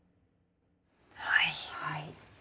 はい。